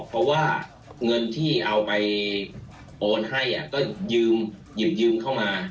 เพราะว่าเงินที่เอาไปโอนให้ก็หยิบยืมเข้ามา